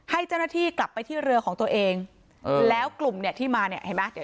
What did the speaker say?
ให้เจ้าหน้าที่กลับไปที่เรือของตัวเองแล้วกลุ่มเนี่ยที่มาเนี่ยเห็นไหม